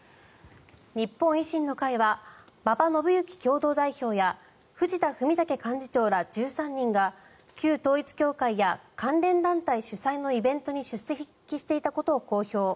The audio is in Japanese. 日本維新の会は馬場伸幸共同代表や藤田文武幹事長ら１３人が旧統一教会や関連団体主催のイベントに出席していたことを公表。